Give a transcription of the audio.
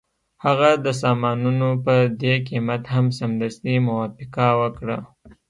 هغه د سامانونو په دې قیمت هم سمدستي موافقه وکړه